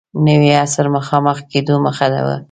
نوي عصر مخامخ کېدو مخه و.